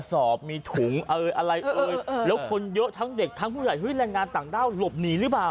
สอบมีถุงเอ่ยอะไรเอ่ยแล้วคนเยอะทั้งเด็กทั้งผู้ใหญ่เฮ้ยแรงงานต่างด้าวหลบหนีหรือเปล่า